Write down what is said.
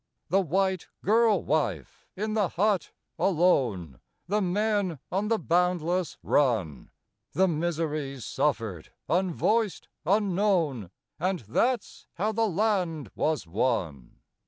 The white girl wife in the hut alone, The men on the boundless run, The miseries suffered, unvoiced, unknown And that's how the land was won.